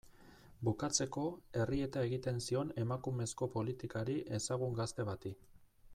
Bukatzeko, errieta egiten zion emakumezko politikari ezagun gazte bati.